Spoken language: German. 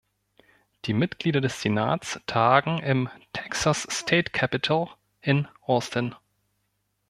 Die Mitglieder des Senats tagen im Texas State Capitol in Austin.